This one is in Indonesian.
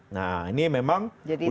nah ini memang